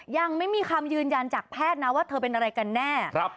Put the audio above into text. ยังไม่มีคำยืนยันจากแพทย์นะว่าเธอเป็นอะไรกันแน่